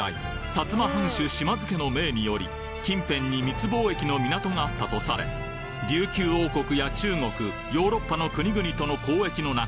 薩摩藩主島津家の命により近辺に密貿易の港があったとされ琉球王国や中国ヨーロッパの国々との交易の中